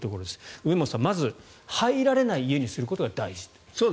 梅本さん、まず入られない家にすることが大事だと。